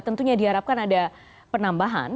tentunya diharapkan ada penambahan